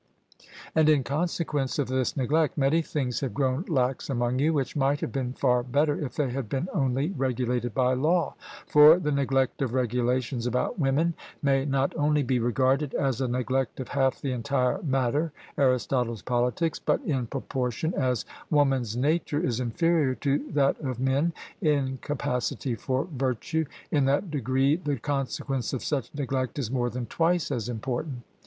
And, in consequence of this neglect, many things have grown lax among you, which might have been far better, if they had been only regulated by law; for the neglect of regulations about women may not only be regarded as a neglect of half the entire matter (Arist. Pol.), but in proportion as woman's nature is inferior to that of men in capacity for virtue, in that degree the consequence of such neglect is more than twice as important.